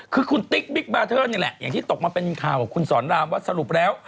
คือคุณติ๊กบิ๊กบาเทอร์นี่แหละอย่างที่ตกมาเป็นข่าวกับคุณสอนรามว่าสรุปแล้ว